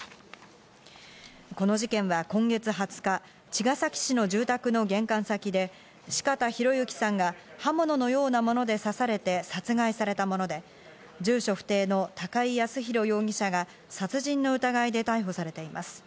この事件は今月２０日、茅ケ崎市の住宅の玄関先で四方洋行さんが刃物のようなもので刺されて殺害されたもので、住所不定の高井靖弘容疑者が、殺人の疑いで逮捕されています。